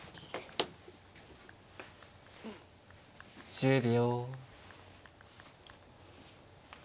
１０秒。